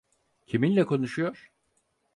Kiminle konuşuyor?